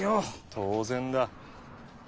当然だ。